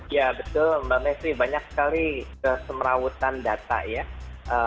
ya betul mbak mesri banyak sekali kesemerawutan data ya